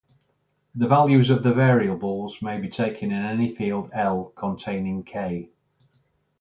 The values of the variables may be taken in any field "L" containing "K".